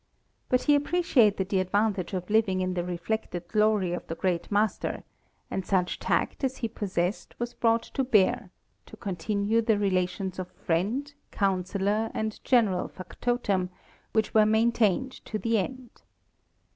But he appreciated the advantage of living in the reflected glory of the great master, and such tact as he possessed was brought to bear, to continue the relations of friend, counsellor and general factotum, which were maintained to the end.